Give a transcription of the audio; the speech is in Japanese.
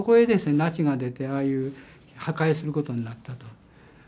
ナチが出てああいう破壊することになったと。